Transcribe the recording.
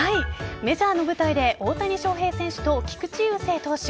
メジャーの舞台で大谷翔平選手と菊池雄星投手